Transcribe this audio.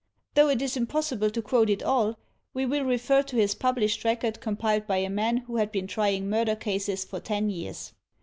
Though it is impossible to quote it all, we will refer to his published record compiled by a man who had been trjong murder cases for ten years.